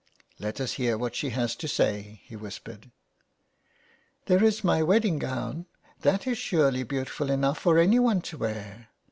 " Let us hear what she has to say," he whispered. " There is my wedding gown : that is surely beau tiful enough for anyone to wear.